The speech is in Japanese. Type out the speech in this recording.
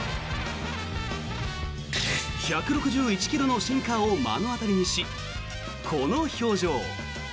１６１ｋｍのシンカーを目の当たりにし、この表情。